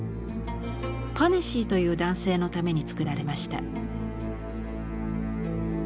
パネシィという男性のために作られました。